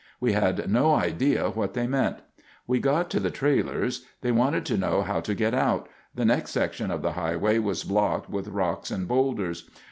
We had no idea what they meant. We got to the trailers. They wanted to know how to get out—the next section of the highway was blocked with rocks and boulders.